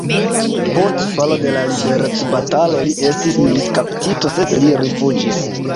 Post falo de la liberecbatalo li estis militkaptito, sed li rifuĝis.